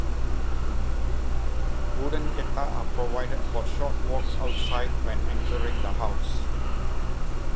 Wooden "geta" are provided for short walks outside when entering the house.